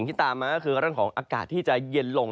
ที่ตามมาก็คือเรื่องของอากาศที่จะเย็นลง